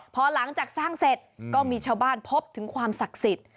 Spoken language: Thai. พอหลังจากสร้างเสร็จก็มีชาวบ้านพบถึงความศักดิ์สิทธิ์